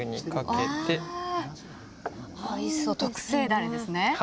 特製ダレですね。